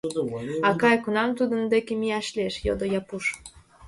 — Акай, кунам тудын деке мияш лиеш? — йодо Япуш.